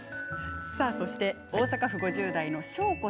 そして大阪府５０代の方。